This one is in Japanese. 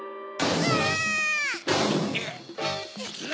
うわ！